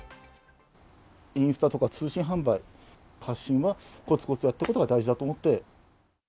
インスタとか通信販売、発信はこつこつやることが大事だ